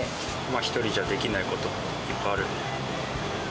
１人じゃできないことがいっぱいあるので。